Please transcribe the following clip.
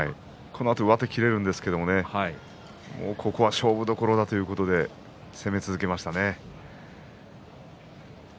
このあと上手が切れるんですけど、ここは勝負どころだということで攻め続けましたね。